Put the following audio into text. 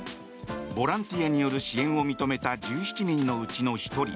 ボランティアによる支援を認めた１７人のうちの１人